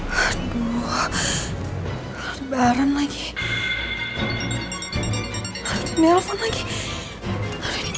tanggal baptister slicks